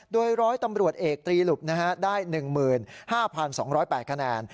โดยร้อยตำรวจเอกตรีหลุบได้๑๕๒๐๘คะแนน